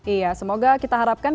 iya semoga kita harapkan